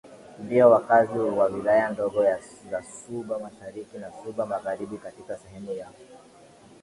ndio wakazi wa wilaya ndogo za Suba Mashariki na Suba Magharibi katika sehemu ya